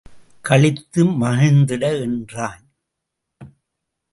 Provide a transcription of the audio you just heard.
களித்து மகிழ்ந்திட என்றான்.